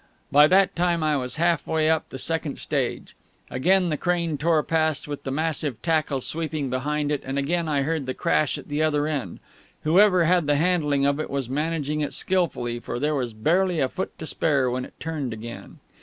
By that time I was halfway up the second stage. Again the crane tore past, with the massive tackle sweeping behind it, and again I heard the crash at the other end. Whoever had the handling of it was managing it skilfully, for there was barely a foot to spare when it turned again.